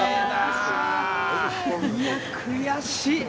いや、悔しい。